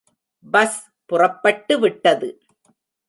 Bus புறப்பட்டு விட்டது.